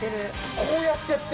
こうやってやってる？